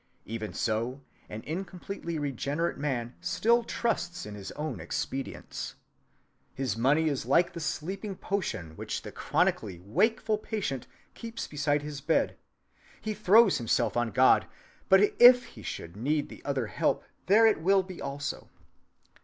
Even so an incompletely regenerate man still trusts in his own expedients. His money is like the sleeping potion which the chronically wakeful patient keeps beside his bed; he throws himself on God, but if he should need the other help, there it will be also.